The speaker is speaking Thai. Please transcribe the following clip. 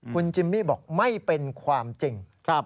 คุณจิมมี่บอกไม่เป็นความจริง